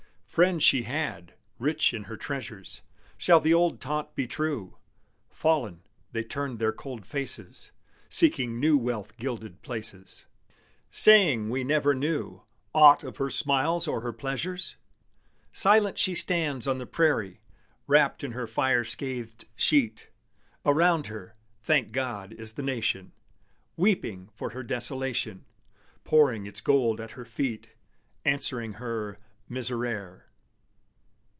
Friends she had, rich in her treasures: Shall the old taunt be true, Fallen, they turn their cold faces, Seeking new wealth gilded places, Saying we never knew Aught of her smiles or her pleasures? Silent she stands on the prairie, Wrapped in her fire scathed sheet: Around her, thank God, is the Nation, Weeping for her desolation, Pouring its gold at her feet, Answering her "Miserere!"